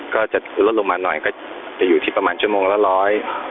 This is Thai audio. ก็จะลดลงมาหน่อยก็จะอยู่ที่ประมาณชั่วโมงละร้อย